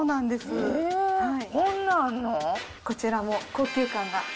こちらも高級感が。